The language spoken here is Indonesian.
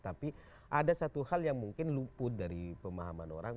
tapi ada satu hal yang mungkin luput dari pemahaman orang